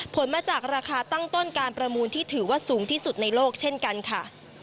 ผลมาจากราคาตั้งต้นการประมูลที่ถือว่าสูงที่สุดในโลกเช่นกันค่ะ